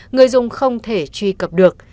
người dùng không thể truy cập được